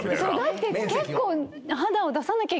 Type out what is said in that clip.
だって結構。